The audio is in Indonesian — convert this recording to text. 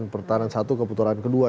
pertahanan satu keputaran kedua